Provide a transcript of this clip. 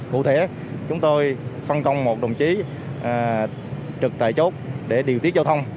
cụ thể chúng tôi phân công một đồng chí trực tại chốt để điều tiết giao thông